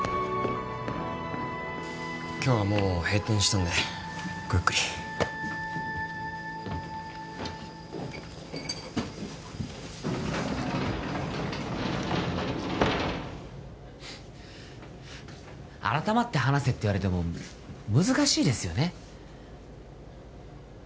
今日はもう閉店したんでごゆっくり改まって話せっていわれても難しいですよね